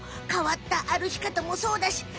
変わったあるき方もそうだし